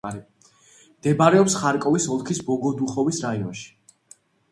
მდებარეობს ხარკოვის ოლქის ბოგოდუხოვის რაიონში.